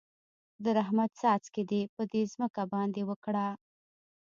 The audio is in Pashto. د رحمت څاڅکي دې په دې ځمکه باندې وکره.